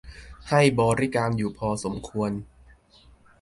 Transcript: ให้บริการอยู่พอสมควร